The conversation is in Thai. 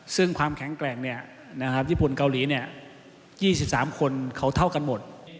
ซึ่งความแข็งแกร่งญี่ปุ่นเกาหลี๒๓คนเขาเท่ากันหมด